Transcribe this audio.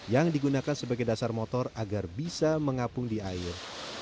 yang digunakan sebagai dasar motor agar bisa mengapung di air